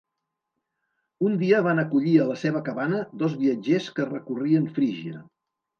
Un dia van acollir a la seva cabana dos viatgers que recorrien Frígia.